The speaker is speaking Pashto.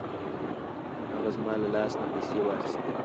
هغه زما له لاس نه پیسې واخیستې.